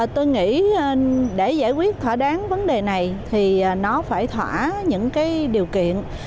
tôi nghĩ để giải quyết thỏa đáng vấn đề này thì nó phải thỏa những điều kiện